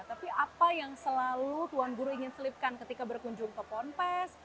tapi apa yang selalu tuan guru ingin selipkan ketika berkunjung ke ponpes